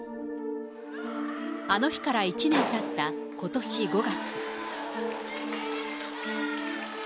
あの日から１年たったことし５月。